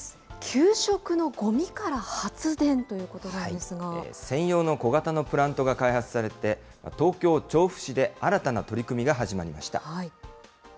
給食のごみから発電ということな専用の小型のプラントが開発されて、東京・調布市で新たな取り組みが始まりました。